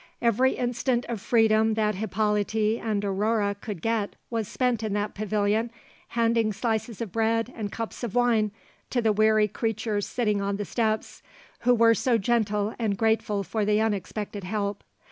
Every instant of freedom that Hippolyte and Aurore could get was spent in that pavilion, handing slices of bread and cups of wine to the weary creatures sitting on the steps, who were so gentle and grateful for the unexpected help.